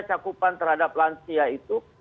cakupan terhadap lansia itu